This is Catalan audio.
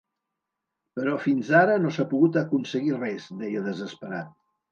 Però fins ara no s'ha pogut aconseguir res, deia desesperat